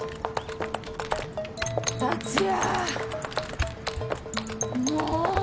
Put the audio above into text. ・達也。